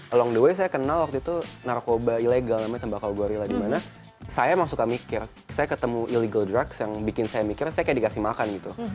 along the way saya kenal waktu itu narkoba ilegal namanya tembakau gorilla dimana saya emang suka mikir saya ketemu illegal drugs yang bikin saya mikir saya kayak dikasih makan gitu